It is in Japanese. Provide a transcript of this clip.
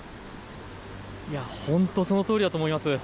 本当そのとうりだと思います。